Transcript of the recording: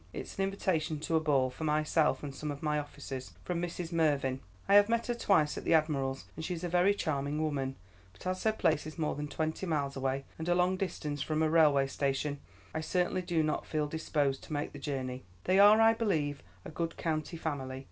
It's an invitation to a ball, for myself and some of my officers, from Mrs. Mervyn. I have met her twice at the Admiral's, and she is a very charming woman, but as her place is more than twenty miles away and a long distance from a railway station, I certainly do not feel disposed to make the journey. They are, I believe, a good county family.